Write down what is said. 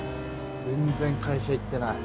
全然会社行ってない。